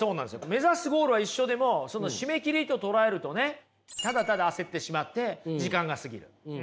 目指すゴールは一緒でもその締め切りと捉えるとねただただ焦ってしまって時間が過ぎる。